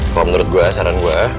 kalau menurut gue saran gue